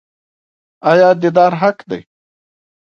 آیا دیدار حق دی؟